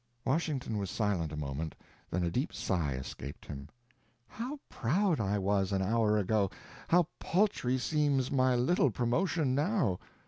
Washington was silent a moment, then a deep sigh escaped him. "How proud I was an hour ago; how paltry seems my little promotion now!